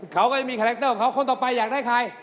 ก็จะมีคาแรคเตอร์ของเขาคนต่อไปอยากได้ใคร